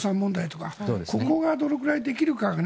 ここがどのくらいできるかが。